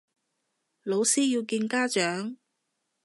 老師要見家長